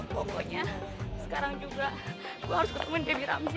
pokoknya sekarang juga aku harus ketemu demi ramzi